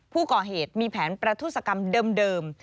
ผู้ก่อเหตุมีแผนประทุศกรรมเดิม